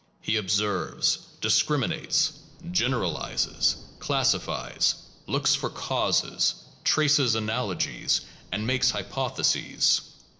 He observes, discriminates, generalizes, classifies, looks for causes, traces analogies, and makes hypotheses.